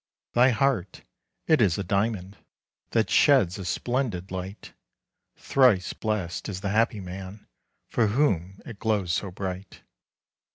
Thy heart, it is a diamond, That sheds a splendid light. Thrice blessed is the happy man For whom it glows so bright.